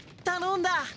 たのんだ！